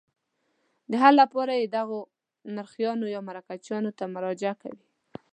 د حل لپاره یې دغو نرخیانو یا مرکچیانو ته مراجعه کوي.